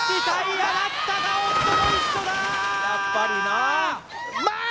やっぱりなまっ